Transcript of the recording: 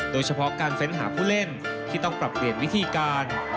โดยเฉพาะการเฟ้นหาผู้เล่นที่ต้องปรับเปลี่ยนวิธีการ